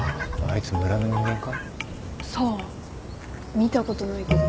見たことないけど。